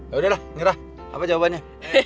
yaudah lah ngerah apa jawabannya